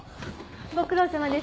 ご苦労さまです。